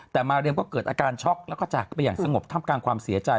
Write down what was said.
แต่มาเรียมก็เกิดอาการช็อกแล้วก็จากไปอย่างสงบท่ามกลางความเสียใจ